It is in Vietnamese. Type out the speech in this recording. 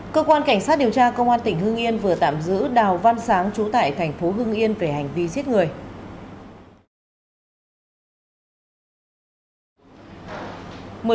cơ quan cảnh sát điều tra công an tỉnh hưng yên vừa tạm giữ đào văn sáng trú tại thành phố hưng yên về hành vi giết người